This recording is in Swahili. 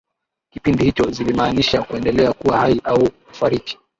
kipindi hicho zilimaanisha kuendelea kuwa hai au kufariki